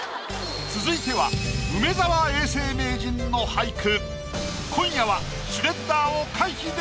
続いては梅沢永世名人の俳句。